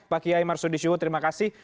pak kiai marsudi siwo terima kasih